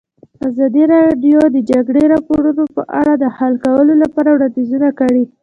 ازادي راډیو د د جګړې راپورونه په اړه د حل کولو لپاره وړاندیزونه کړي.